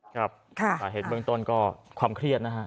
ครับสาเหตุเบื้องต้นก็ความเครียดนะฮะ